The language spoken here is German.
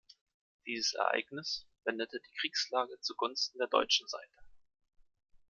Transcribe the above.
Dieses Ereignis wendete die Kriegslage zugunsten der deutschen Seite.